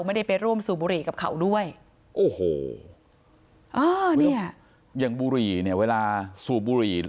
ไม่ได้ไปร่วมสูบบุหรี่กับเขาด้วยโอ้โหเนี่ยอย่างบุหรี่เนี่ยเวลาสูบบุหรี่